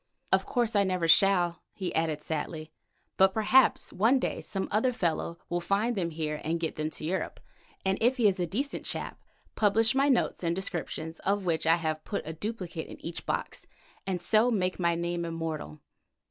"Of course I never shall," he added sadly, "but perhaps one day some other fellow will find them here and get them to Europe, and if he is a decent chap, publish my notes and descriptions, of which I have put a duplicate in each box, and so make my name immortal.